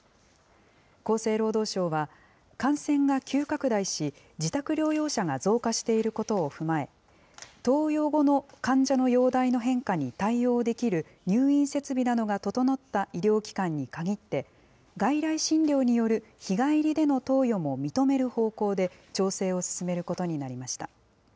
厚生労働省は、感染が急拡大し、自宅療養者が増加していることを踏まえ、投与後の患者の容体の変化に対応できる入院設備などが整った医療機関に限って、外来診療による日帰りでの投与も認める方向で調整を進めることになりました。